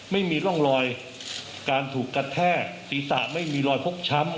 ไม่มีร่องรอยการถูกกระแทกศีรษะไม่มีรอยพกช้ำ